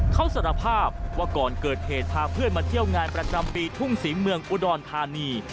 เขาสารภาพว่าก่อนเกิดเหตุพาเพื่อนมาเที่ยวงานประจำปีทุ่งศรีเมืองอุดรธานี